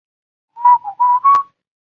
担孢子的真菌所产生的。